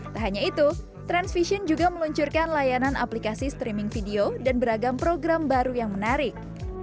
tak hanya itu transvision juga meluncurkan layanan aplikasi streaming video dan beragam program baru yang menarik